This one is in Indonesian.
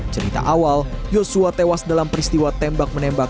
cerita awal yosua tewas dalam peristiwa tembak menembak